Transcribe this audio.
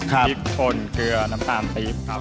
พริกชนเกลือน้ำตาลปีบ